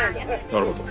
なるほど。